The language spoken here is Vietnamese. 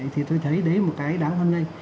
thì tôi thấy đấy là một cái đáng hân hình